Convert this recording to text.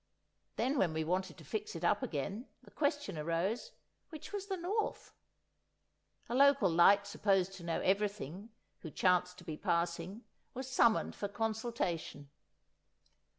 Then when we wanted to fix it up again, the question arose, which was the north? A local light supposed to know everything, who chanced to be passing, was summoned for consultation.